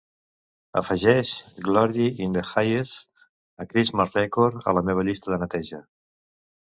Afegeix "Glory in the Highest: A Christmas Record" a la meva llista de neteja